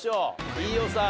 飯尾さん